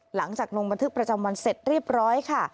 หลังจากลงบันทึกประจำวันเสร็จเรียบร้อยค่ะ